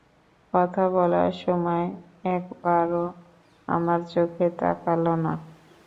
কথা বলার সময় একবারও আমার চোখের দিকে তাকাল না।